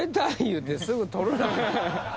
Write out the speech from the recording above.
言うてすぐ取るな。